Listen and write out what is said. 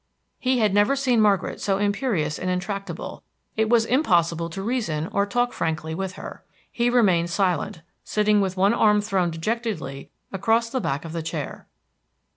He had never seen Margaret so imperious and intractable; it was impossible to reason or to talk frankly with her. He remained silent, sitting with one arm thrown dejectedly across the back of the chair.